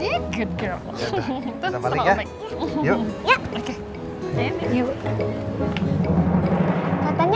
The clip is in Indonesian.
dia juga akan mengangkat sekolah untuk bukanya